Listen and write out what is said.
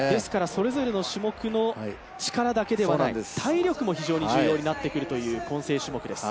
それぞれの種目の力だけではなく体力も非常に重要になってくるという混成種目です。